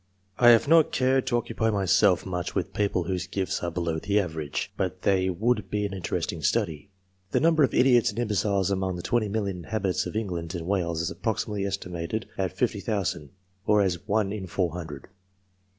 I have not cared to occupy myself much with people whose gifts are below the average, but they would be an interesting study. The number of idiots and imbeciles among the twenty million inhabitants of England and Wales is approximately estimated at 50,000, or as 1 in 400. Dr.